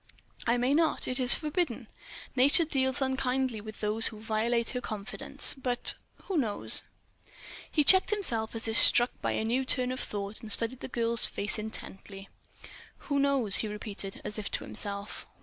"I may not. It is forbidden. Nature deals unkindly with those who violate her confidence. But—who knows?" He checked himself as if struck by a new turn of thought, and studied the girl's face intently. "Who knows?" he repeated, as if to himself.